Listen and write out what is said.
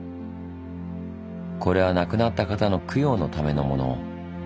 これは亡くなった方の供養のためのもの。